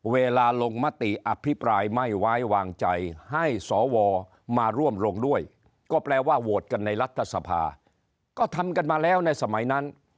เวลาลงมติอภิปรายไม่ไว้วางใจให้สวมาร่วมลงด้วยก็แปลว่าโหวตกันในรัฐสภาก็ทำกันมาแล้วในสมัยนั้น